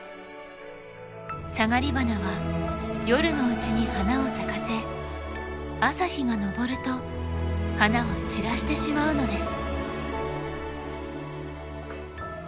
サガリバナは夜のうちに花を咲かせ朝日が昇ると花を散らしてしまうのです。